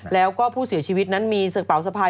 แล้วก็ผู้เสียชีวิตนั้นมีกระเป๋าสะพาย